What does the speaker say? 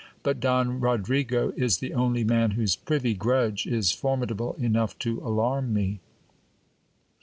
But Don Rodrigo is the only man whose privy grudge is formidable enough to alarm me.